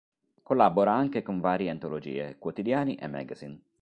Collabora anche con varie antologie, quotidiani e magazine.